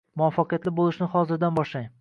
Muvaffaqiyatli bo’lishni hozirrdan boshlang